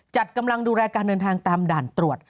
จัดกำลังดูแลการเดินทางตามด่านตรวจ